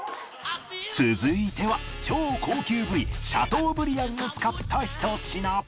続いては超高級部位シャトーブリアンを使ったひと品